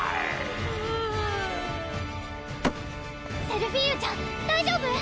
セルフィーユちゃん大丈夫？